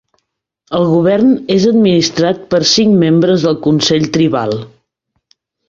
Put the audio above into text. El govern és administrat per cinc membres del consell tribal.